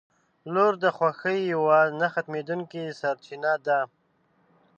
• لور د خوښۍ یوه نه ختمېدونکې سرچینه ده.